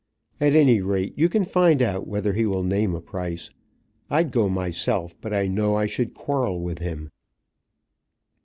"At any rate you can find out whether he will name a price. I'd go myself, but I know I should quarrel with him."